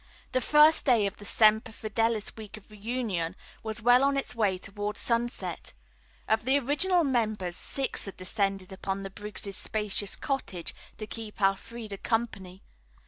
The first day of the Semper Fidelis week of reunion was well on its way toward sunset. Of the original members, six had descended upon the Briggs' spacious cottage to keep Elfreda company.